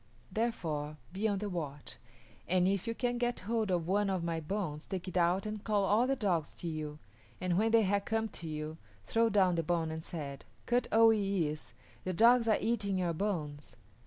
Therefore, be on the watch, and if you can get hold of one of my bones take it out and call all the dogs to you, and when they have come to you throw down the bone and say, 'Kut o yis´, the dogs are eating your bones.'"